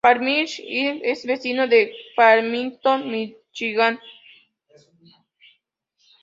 Farmington Hills es vecino de Farmington, Michigan.